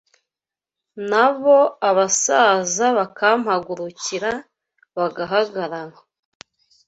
Na bo abasaza bakampagurukira, bagahagarara